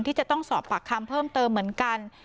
ที่จะต้องสอบปากคำเพิ่มเติมเหมือนกัน